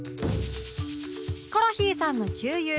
ヒコロヒーさんの旧友